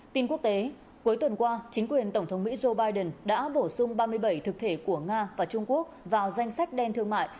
tin quốc tế cuối tuần qua chính quyền tổng thống mỹ joe biden đã bổ sung ba mươi bảy thực thể của nga và trung quốc vào danh sách đen thương mại